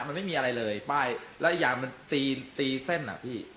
มันไม่มีอะไรเลยป้ายแล้วอีกอย่างมันตีตีเส้นอ่ะพี่